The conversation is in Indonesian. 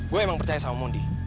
gue emang percaya sama mondi